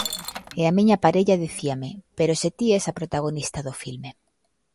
E a miña parella dicíame: "Pero se ti es a protagonista do filme!".